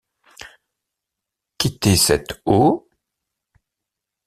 Qu’était cette eau ?